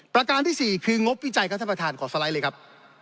การที่๔คืองบวิจัยครับท่านประธานขอสไลด์เลยครับ